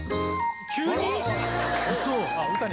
急に？